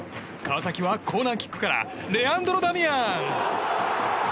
川崎はコーナーキックからレアンドロ・ダミアン！